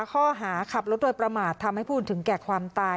ข้อหาขับรถโดยประมาททำให้ผู้อื่นถึงแก่ความตาย